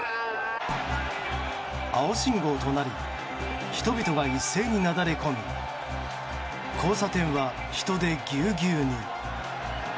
青信号となり人々が一斉になだれ込み交差点は人でぎゅうぎゅうに。